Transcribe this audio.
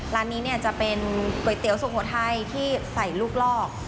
ร้านนี้เนี่ยจะเป็นก๋วยเตี๋ยวสุโขทัยที่ใส่ลูกลอก